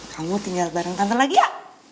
kamu tinggal bareng tante lagi ya